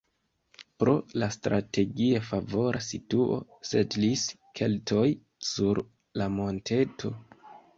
Pro la strategie favora situo setlis keltoj sur la monteto.